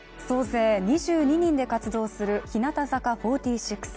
総勢２２人で活動する日向坂４６。